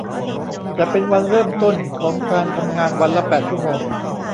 จะเป็นวันเริ่มต้น ของการทำงานวันละแปดชั่วโมง